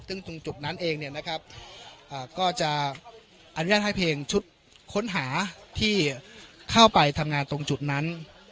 ซึ่งตรงจุดนั้นเองเนี่ยนะครับก็จะอนุญาตให้เพลงชุดค้นหาที่เข้าไปทำงานตรงจุดนั้น